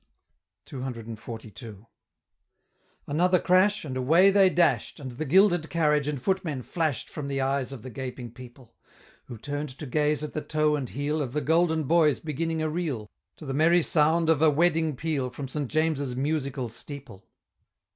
CCXLII. Another crash and away they dash'd, And the gilded carriage and footmen flash'd From the eyes of the gaping people Who turn'd to gaze at the toe and heel Of the Golden Boys beginning a reel, To the merry sound of a wedding peal From St. James's musical steeple.